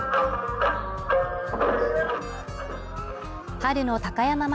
春の高山祭